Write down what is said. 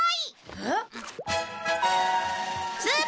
えっ？